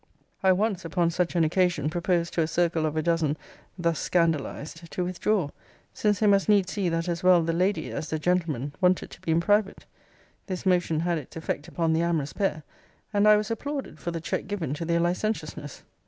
I once, upon such an occasion, proposed to a circle of a dozen, thus scandalized, to withdraw; since they must needs see that as well the lady, as the gentleman, wanted to be in private. This motion had its effect upon the amorous pair; and I was applauded for the check given to their licentiousness.